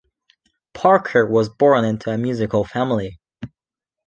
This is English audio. Parker was born into a musical family.